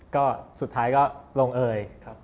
ก็สุดท้ายลงเอ่ย